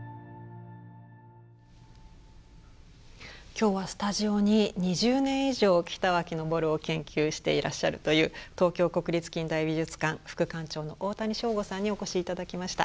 今日はスタジオに２０年以上北脇昇を研究していらっしゃるという東京国立近代美術館副館長の大谷省吾さんにお越し頂きました。